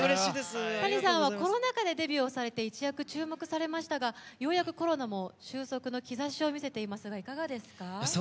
Ｔａｎｉさんはコロナ禍でデビューされて一躍注目されましたがようやくコロナも収束の兆しを見せていますがいかがですか？